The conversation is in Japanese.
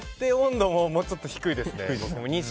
もうちょっと低いですね。